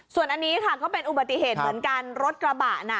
ส่วนอันนี้ค่ะก็เป็นอุบัติเหตุเหมือนกันรถกระบะน่ะ